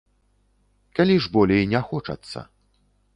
Калі ж болей не хочацца.